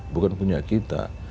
bukan punya kita